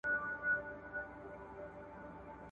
د واده بېځايه لګښتونه بايد کم سي.